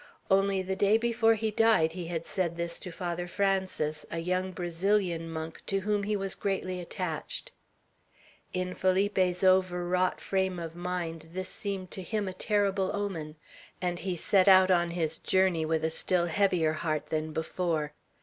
Only the day before he died, he had said this to Father Francis, a young Brazilian monk, to whom he was greatly attached. In Felipe's overwrought frame of mind this seemed to him a terrible omen; and he set out on his journey with a still heavier heart than before.